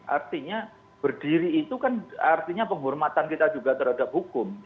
artinya berdiri itu kan artinya penghormatan kita juga terhadap hukum